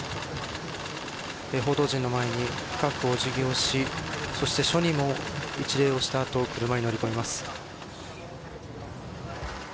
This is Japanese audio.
報道陣の前に深くお辞儀をしそして、署にも一礼をしたあと車に乗り込みます。